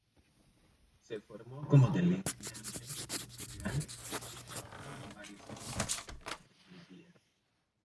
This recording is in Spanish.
Se formó como delineante Industrial y trabajo en varias empresas de ingeniería.